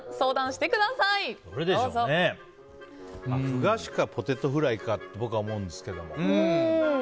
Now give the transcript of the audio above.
ふ菓子かポテトフライかと僕は思うんですけども。